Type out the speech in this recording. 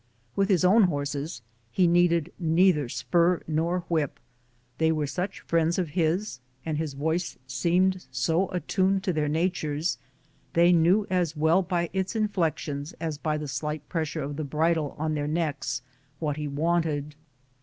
With his own horses he needed neither spur nor whip. They were such friends of his, and his voice seemed so attuned to their natures, they knew as well by its in flections as by the slight pressure of the bridle on their necks what he wanted.